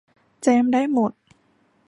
แจมได้หมด